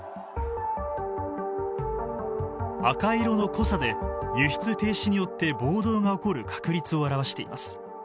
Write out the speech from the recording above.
赤色の濃さで輸出停止によって暴動が起こる確率を表しています。